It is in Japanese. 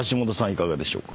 いかがでしょうか？